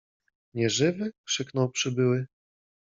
- Nieżywy? - krzyknął przybyły.